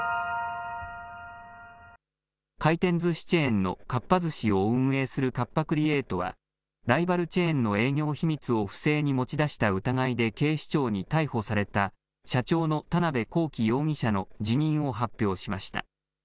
回転ずしチェーンのかっぱ寿司を運営するカッパ・クリエイトは、ライバルチェーンの営業秘密を不正に持ち出した疑いで警視庁に逮捕された社長の田邊公己容疑者の辞任を発表しました。